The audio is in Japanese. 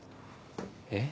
えっ？